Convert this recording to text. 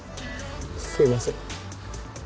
すいません